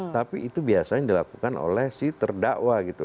tapi itu biasanya dilakukan oleh si terdakwa gitu